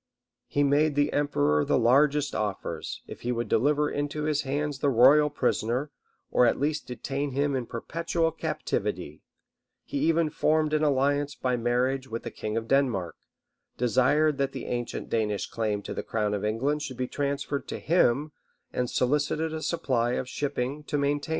He made the emperor the largest offers, if he would deliver into his hands the royal prisoner, or at least detain him in perpetual captivity he even formed an alliance by marriage with the king of Denmark, desired that the ancient Danish claim to the crown of England should be transferred to him, and solicited a supply of shipping to maintain it.